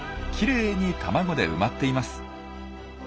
きれいに卵で埋まっています。